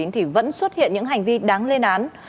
thì vẫn xuất hiện những hành vi đáng lên án